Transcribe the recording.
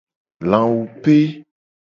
Lawupe.